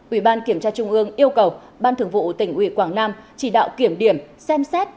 ủy ban kiểm tra trung ương yêu cầu ban thường vụ tỉnh ủy quảng nam chỉ đạo kiểm điểm xem xét